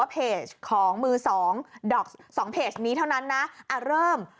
๒เพจนี้เท่านั้นนะอะเริ่ม